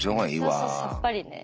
そうそうさっぱりね。